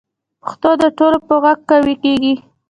پښتو د ټولو په غږ قوي کېږي.